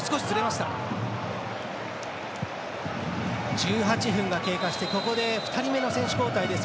１８分が経過してここで２人目の選手交代です。